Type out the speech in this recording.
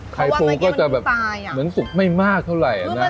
ปูก็จะแบบเหมือนสุกไม่มากเท่าไหร่นะ